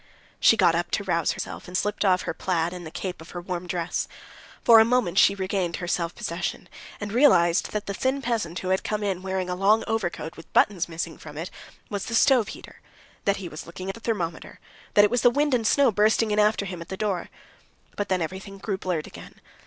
She got up to rouse herself, and slipped off her plaid and the cape of her warm dress. For a moment she regained her self possession, and realized that the thin peasant who had come in wearing a long overcoat, with buttons missing from it, was the stoveheater, that he was looking at the thermometer, that it was the wind and snow bursting in after him at the door; but then everything grew blurred again....